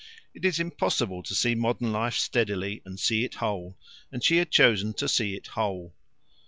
It is impossible to see modern life steadily and see it whole, and she had chosen to see it whole.